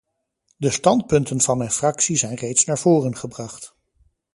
De standpunten van mijn fractie zijn reeds naar voren gebracht.